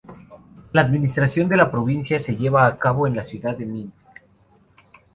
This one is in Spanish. La administración de la provincia se lleva a cabo en la ciudad de Minsk.